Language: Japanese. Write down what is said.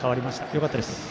よかったです。